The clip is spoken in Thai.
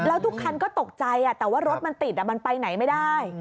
แล้วทุกคันก็ตกใจแต่ว่ารถมันติดมันไปไหนไม่ได้